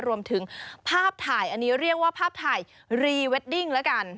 รวมถึงภาพถ่ายอันนี้เรียกว่าภาพถ่ายรีเวดดิ้งแล้วกัน